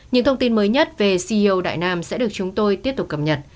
những thông tin mới nhất về ceo đại nam sẽ được chúng tôi tiếp tục cập nhật